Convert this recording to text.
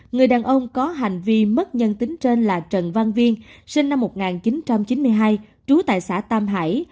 người đàn ông có hành vi mất nhân tính trên là trần văn viên sinh năm một nghìn chín trăm chín mươi hai trú tại xã tam hải